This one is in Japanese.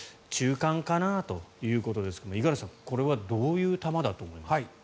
中間かなということですが五十嵐さん、これはどういう球だと思いますか？